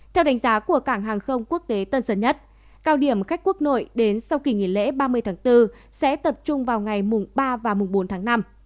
theo đánh giá của cảng hàng không quốc tế tân sơn nhất cao điểm khách quốc nội đến sau kỳ nghỉ lễ ba mươi tháng bốn sẽ tập trung vào ngày mùng ba và mùng bốn tháng năm